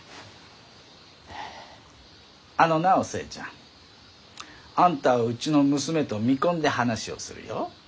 あのなお寿恵ちゃんあんたをうちの娘と見込んで話をするよ。